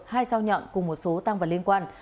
hai giao nhận cùng một số tăng vật liên quan